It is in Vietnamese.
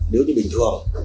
nếu như bình thường